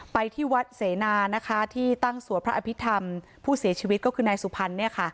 ไปที่วัดเสนาที่ตั้งสวดพระอภิษฐรรมผู้เสียชีวิตก็คือนายสุพรรณ